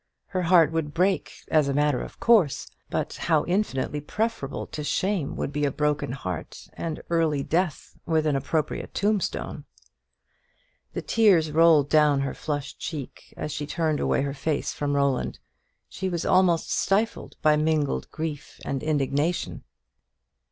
Her heart would break, as a matter of course; but how infinitely preferable to shame would be a broken heart and early death with an appropriate tombstone! The tears rolled down her flushed cheek, as she turned away her face from Roland. She was almost stifled by mingled grief and indignation.